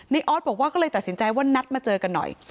ออสบอกว่าก็เลยตัดสินใจว่านัดมาเจอกันหน่อย